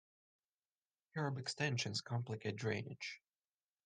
Curb extensions complicate drainage.